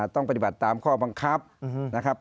ต้องปฏิบัติตามข้อบังคับนะครับ